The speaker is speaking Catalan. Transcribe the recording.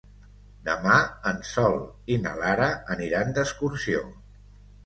Demà en Sol i na Lara aniran d'excursió.